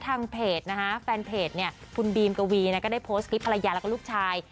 ทางเพจนะฮะแฟนเพจเนี่ยคุณบีมกวีก็ได้โพสต์คลิปภรรยาแล้วก็ลูกชาย